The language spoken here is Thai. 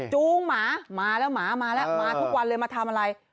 จูงหมามาแล้วหมามาแล้วมาทุกวันเลยมาทำอะไร